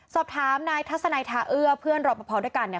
สอบถามนายทัศนัยทาเอื้อเพื่อนรอปภด้วยกันเนี่ย